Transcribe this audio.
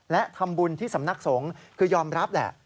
และทำบุญที่สำนักสงฆ์คือยอมรับแหละ